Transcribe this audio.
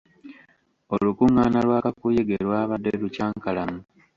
Olukungaana lwa kakuyege lwabadde lukyankalamu.